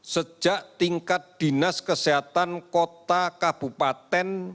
sejak tingkat dinas kesehatan kota kabupaten